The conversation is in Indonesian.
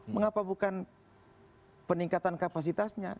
mengapa bukan peningkatan kapasitasnya